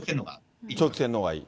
長期戦のほうがいい？